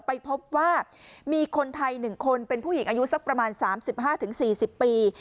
ไปพบว่ามีคนไทย๑คนเป็นผู้หญิงอายุสักประมาณ๓๕๔๐ปี